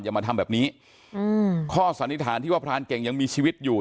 อย่ามาทำแบบนี้อืมข้อสันนิษฐานที่ว่าพรานเก่งยังมีชีวิตอยู่